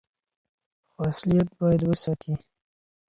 خو اصليت بايد وساتي.